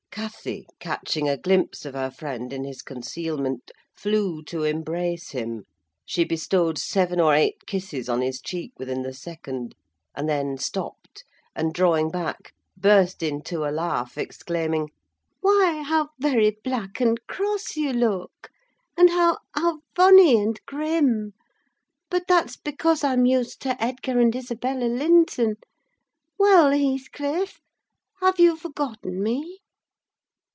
Cathy, catching a glimpse of her friend in his concealment, flew to embrace him; she bestowed seven or eight kisses on his cheek within the second, and then stopped, and drawing back, burst into a laugh, exclaiming, "Why, how very black and cross you look! and how—how funny and grim! But that's because I'm used to Edgar and Isabella Linton. Well, Heathcliff, have you forgotten me?"